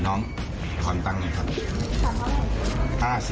น้องขอนตังค่ะ